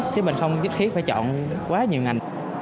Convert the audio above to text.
chứ mình không kích khiết phải chọn quá nhiều ngành